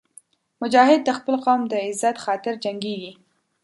مجاهد د خپل قوم د عزت خاطر جنګېږي.